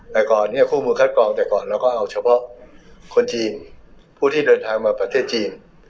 แต่ก่อนเนี่ยคู่มือคัดกรองแต่ก่อนเราก็เอาเฉพาะคนจีนผู้ที่เดินทางมาประเทศจีน